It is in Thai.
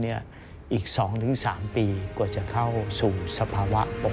อีก๒๓ปีกว่าจะเข้าสู่สภาวะปกติ